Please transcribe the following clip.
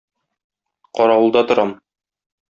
Каравылда торам